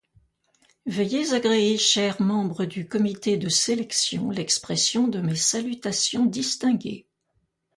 Veuillez agréer, chers membres du comité de sélection, l'expression de mes salutations distinguées.